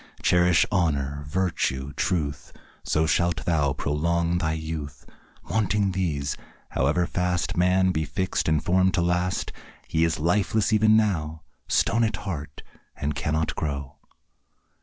Cherish honour, virtue, truth, So shalt thou prolong thy youth. Wanting these, however fast Man be fix'd and form'd to last, He is lifeless even now, Stone at heart, and cannot grow.